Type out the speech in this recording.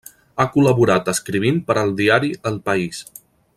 Ha col·laborat escrivint per al diari El País.